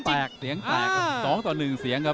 เสียงแตกเสียงแตก๒ต่อ๑เสียงครับ